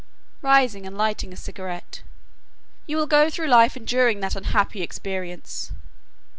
rising and lighting a cigarette, "you will go through life enduring that unhappy experience."